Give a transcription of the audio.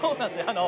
あの。